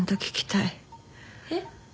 えっ？